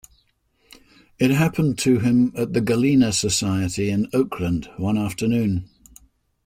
It happened to him at the Gallina Society in Oakland one afternoon.